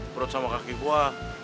perut sama kaki gua